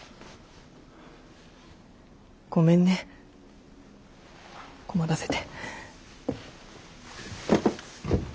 ごめんね困らせて。